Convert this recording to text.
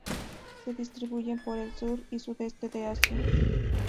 Se distribuyen por el sur y sudeste de Asia.